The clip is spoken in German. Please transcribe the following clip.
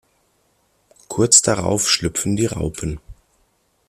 Kurz darauf schlüpfen die Raupen.